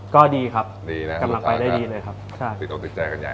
ก็ดีครับดีแล้วกำลังไปได้ดีเลยครับใช่ติดตรงติดแจกันใหญ่อ่ะ